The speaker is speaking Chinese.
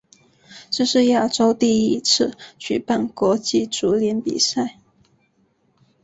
这是亚洲第一次举办国际足联比赛。